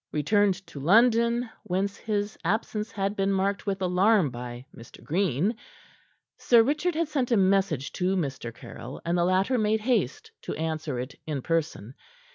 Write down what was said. Returned to London whence his absence had been marked with alarm by Mr. Green Sir Richard had sent a message to Mr. Caryll, and the latter made haste to answer it in person.